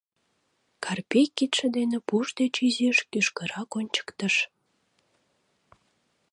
— Карпей кидше дене пуш деч изиш кӱшкырак ончыктыш.